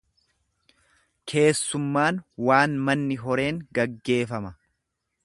Keessummaan waan manni horeen gaggeefama.